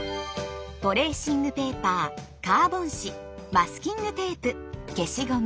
トレーシングペーパーカーボン紙マスキングテープ消しゴム。